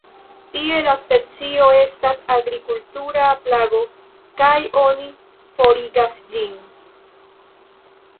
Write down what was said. Tie la specio estas agrikultura plago kaj oni forigas ĝin.